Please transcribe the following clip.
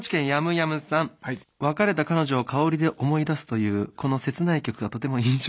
「別れた彼女を香りで思い出すというこの切ない曲がとても印象的で」。